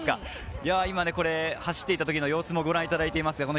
これ走っている時の様子をご覧いただいています。